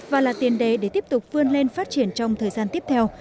và là tiền đề để tiếp tục vươn lên phát triển trong thời gian tiếp theo